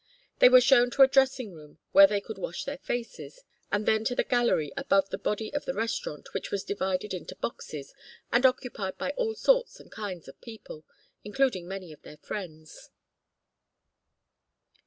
They were shown to a dressing room where they could wash their faces, and then to the gallery above the body of the restaurant which was divided into boxes, and occupied by all sorts and kinds of people, including many of their friends.